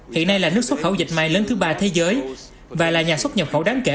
hiện nay là nước xuất khẩu dệt may lớn thứ ba thế giới và là nhà xuất nhập khẩu đáng kể